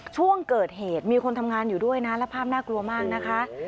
ช่วงเกิดเหตุมีคนทำงานอยู่ด้วยนะและภาพน่ากลัวมากนะคะ